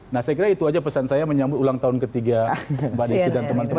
nah saya kira itu aja pesan saya menyambut ulang tahun ketiga mbak desi dan teman teman